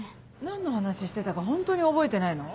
何の話してたかホントに覚えてないの？